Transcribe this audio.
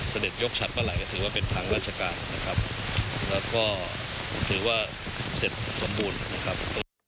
เสด็จยกฉัดเมื่อไหร่ก็ถือว่าเป็นทางราชการนะครับแล้วก็ถือว่าเสร็จสมบูรณ์นะครับ